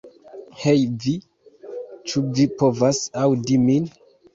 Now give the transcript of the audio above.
Hej vi, ĉu vi povas aŭdi min?